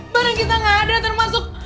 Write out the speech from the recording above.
barang kita nggak ada termasuk